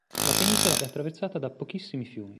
La penisola è attraversata da pochissimi fiumi.